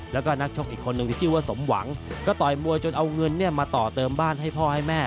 แล้วก็นักชกอีกคนนึงที่ชื่อว่าสมหวังก็ต่อยมวยจนเอาเงินเนี่ยมาต่อเติมบ้านให้พ่อให้แม่